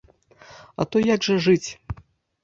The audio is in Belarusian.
А то як жа жыць?